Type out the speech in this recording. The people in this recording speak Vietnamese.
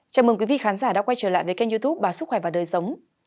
chào mừng quý vị khán giả đã quay trở lại với kênh youtube báo sức khỏe và đời sống